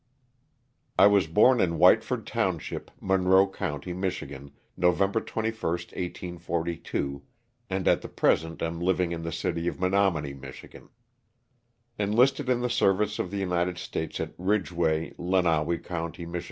I WAS born in Whiteford township, Monroe county, Mich., November 21, 1842, and at the present am living in the city of Menominee, Mich. Enlisted in the service of the United States at Ridgeway, Lenawee county, Mich.